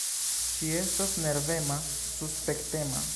Ŝi estas nervema, suspektema.